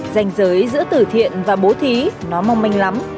danh giới giữa tử thiện và bố thí nó mong manh lắm